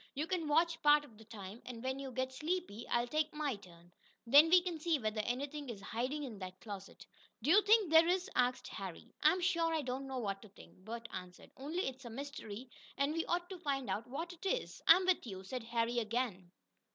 You can watch part of the time, and when you get sleepy I'll take my turn. Then we can see whether anything is hiding in that closet." "Do you think there is?" asked Harry. "I'm sure I don't know what to think," Bert answered. "Only it's a mystery, and we ought to find out what it is." "I'm with you," said Harry again.